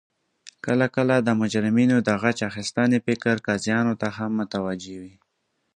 کله کله د مجرمینو د غچ اخستنې فکر قاضیانو ته هم متوجه وي